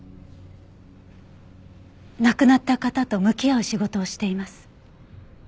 亡くなった方と向き合う仕事をしています。